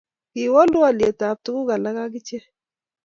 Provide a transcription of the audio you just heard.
kiwoolu olyetab tuguk alak ak ichek